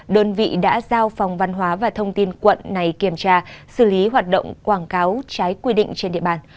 đơn vị đã giao phòng văn hóa và thông tin quận này kiểm tra xử lý hoạt động quảng cáo trái quy định trên địa bàn